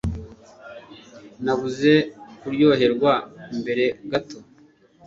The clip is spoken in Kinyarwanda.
Nabuze kuryoherwa mbere gato